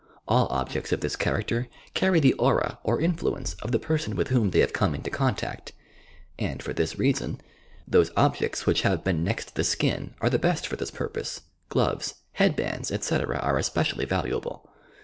All objects of this character carry the aura or influence of the person with whom they have come into contact, and, for this reason, those objects which have been next the skin, are the best for this purpose: gloves, bead bands, etc., are especially valuable.